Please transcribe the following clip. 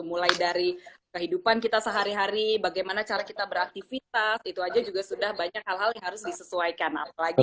mulai dari kehidupan kita sehari hari bagaimana cara kita beraktivitas itu aja juga sudah banyak hal hal yang harus disesuaikan apalagi